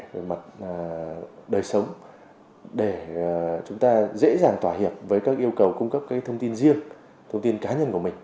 về mặt đời sống để chúng ta dễ dàng tỏa hiệp với các yêu cầu cung cấp các thông tin riêng thông tin cá nhân của mình